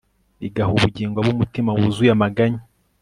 igaha ubugingo ab'umutima wuzuye amaganya